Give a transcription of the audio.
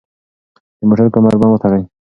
د موټر کمربند وتړئ.